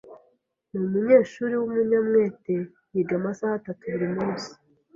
Ni umunyeshuri w'umunyamwete. Yiga amasaha atatu buri munsi.